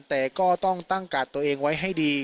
แต่ก็ต้องตั้งกาดตัวเองไว้ให้ดี